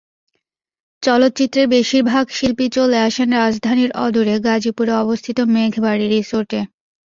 চলচ্চিত্রের বেশির ভাগ শিল্পী চলে আসেন রাজধানীর অদূরে গাজীপুরে অবস্থিত মেঘবাড়ী রিসোর্টে।